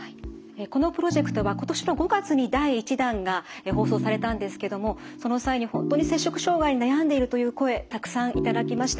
このプロジェクトは今年の５月に第１弾が放送されたんですけどもその際に本当に摂食障害に悩んでいるという声たくさん頂きました。